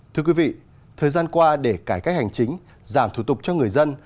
thưa quý vị thời gian qua để cải cách hành chính giảm thủ tục cho người dân